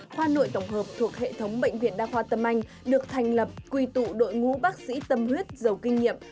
khoa nội tổng hợp thuộc hệ thống bệnh viện đa khoa tâm anh được thành lập quy tụ đội ngũ bác sĩ tâm huyết giàu kinh nghiệm